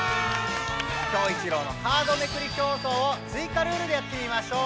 キョウイチロウの「カードめくり競争」をついかルールでやってみましょう。